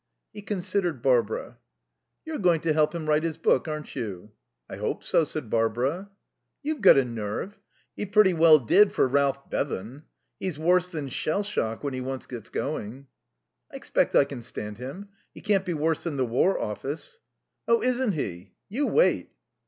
He considered Barbara. "You're going to help him to write his book, aren't you?" "I hope so," said Barbara. "You've got a nerve. He pretty well did for Ralph Bevan. He's worse than shell shock when he once gets going." "I expect I can stand him. He can't be worse than the War Office." "Oh, isn't he? You wait."